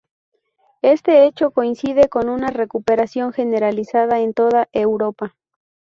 Este hecho coincide con una recuperación generalizada en toda Europa.